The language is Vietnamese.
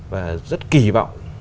và rất kỳ vọng